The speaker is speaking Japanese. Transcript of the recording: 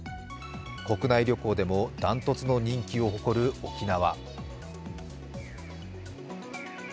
国内旅行でも断トツの人気を誇る沖縄。